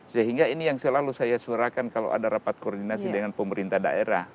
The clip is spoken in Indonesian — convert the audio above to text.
sehingga ini yang selalu saya suarakan kalau ada rapat koordinasi dengan pemerintah daerah